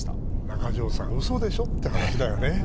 中条さん、嘘でしょ？って話だよね。